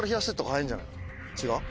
違う？